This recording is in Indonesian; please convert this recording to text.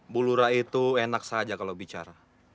bu lura itu enak saja kalau bicara